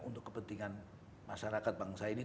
untuk kepentingan masyarakat bangsa ini